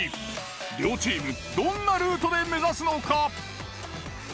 両チームどんなルートで目指すのか。